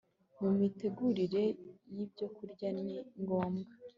Mu mitegurire yibyokurya ni ngombwa